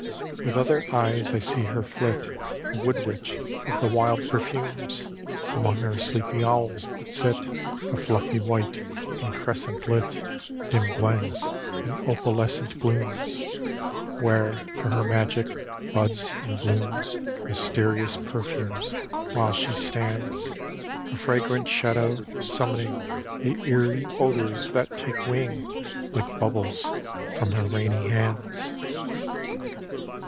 With other eyes I see her flit, The wood witch of the wild perfumes, Among her sleepy owls, that sit, A fluffy white, in crescent lit Dim glens and opalescent glooms: Where, for her magic, buds and blooms Mysterious perfumes, while she stands, A fragrant shadow, summoning The eery odors that take wing, Like bubbles, from her rainy hands.